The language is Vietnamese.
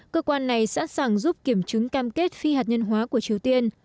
cơ quan này sẵn sàng giúp kiểm chứng cam kết phi hạt nhân hóa của triều tiên